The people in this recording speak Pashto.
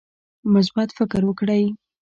مثبت فکر وکړئ